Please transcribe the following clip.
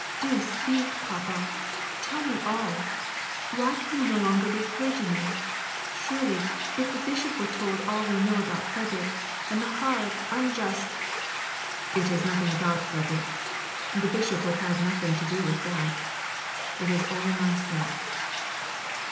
do speak, papa! tell me all! Why can you no longer be a clergyman? Surely, if the bishop were told all we know about Frederick, and the hard unjust " "It is nothing about Frederick; the bishop would have nothing to do with that. It is all myself.